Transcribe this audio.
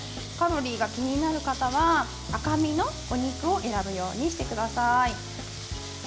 カロリーが気になる方は赤身のお肉を選ぶようにしてください。